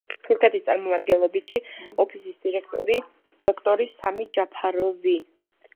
თურქეთის წარმომადგენლობითი ოფისის დირექტორი დოქტორი სამი ჯაფაროვი.